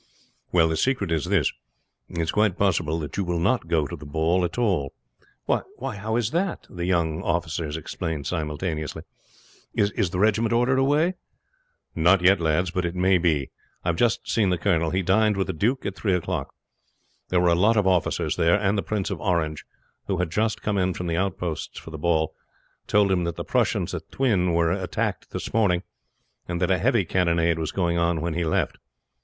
"Well, the secret is this. It is quite probable you will not go to the ball at all." "Why! How it that?" the young officers exclaimed simultaneously. "Is the regiment ordered away?" "Not yet, lads; but it may be. I have just seen the colonel. He dined with the duke at three o'clock. There were a lot of officers there, and the Prince of Orange, who had just come in from the outposts for the ball, told him that the Prussians at Thuin were attacked this morning, and that a heavy cannonade was going on when he left.